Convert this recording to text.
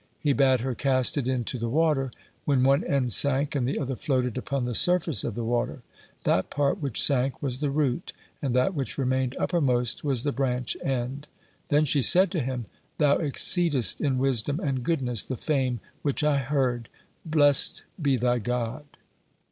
He bade her cast it into the water, when one end sank and the other floated upon the surface of the water. That part which sank was the root, and that which remained uppermost was the branch end. Then she said to him: "Thou exceedest in wisdom and goodness the fame which I heard, blessed be thy God!"